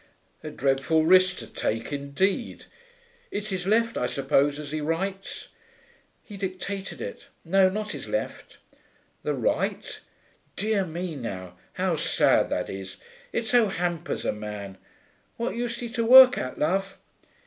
'A dreadful risk to take, indeed! It's his left, I suppose, as he writes?' 'He dictated it. No, not his left.' 'The right? Dear me, now, how sad that is. It so hampers a man. What used he to work at, love?'